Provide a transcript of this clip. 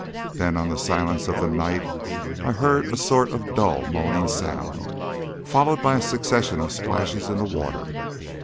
Then on the silence of the night I heard a sort of dull, moaning sound, followed by a succession of splashes in the water.